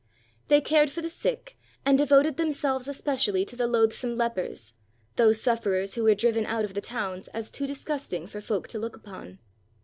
They cared for the sick, and devoted themselves especially to the loathsome lepers, those sufferers who were driven out of the towns as too disgusting for folk to look upon.